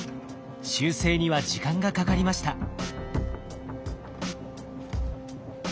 修正には時間がかかりました。